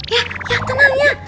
ya ya tenang ya